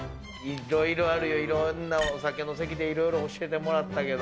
いろいろあるよ、いろんなお酒の席でいろいろ教えてもらったけど。